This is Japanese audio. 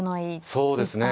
そうですね。